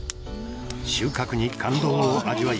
収穫に感動を味わい